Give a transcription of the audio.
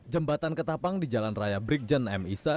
jembatan ketafang di jalan raya brikjen m isa